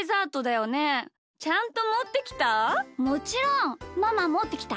ちゃんともってきた？